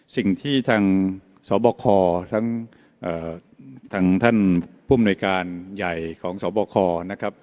สิ่งที่ทางสบคทั้งทางท่านผู้อำนวยการใหญ่ของสบคนะครับ